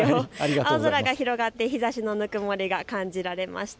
青空が広がって日ざしのぬくもりが感じられました。